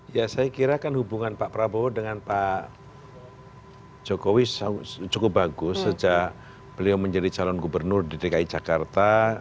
ya saya kira kan hubungan pak prabowo dengan pak jokowi cukup bagus sejak beliau menjadi calon gubernur di dki jakarta